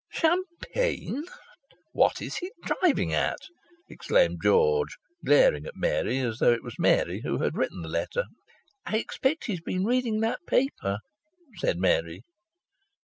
"Champagne! What's he driving at?" exclaimed George, glaring at Mary as though it was Mary who had written the letter. "I expect he's been reading that paper," said Mary.